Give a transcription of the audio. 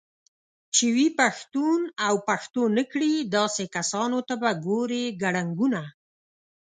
چې وي پښتون اوپښتونكړي داسې كسانوته به ګورې كړنګونه